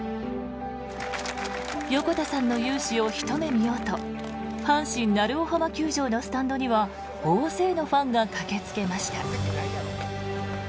横田さんの雄姿をひと目見ようと阪神鳴尾浜球場のスタンドには大勢のファンが駆けつけました。